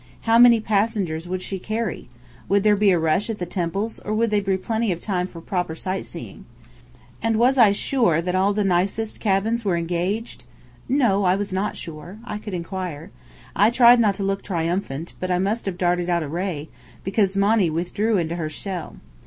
How many passengers would she carry? Would there be a rush at the Temples, or would there be plenty of time for proper sightseeing? And was I sure that all the nicest cabins were engaged? No, I was not sure. I could inquire. I tried not to look triumphant, but I must have darted out a ray, because Monny withdrew into her shell.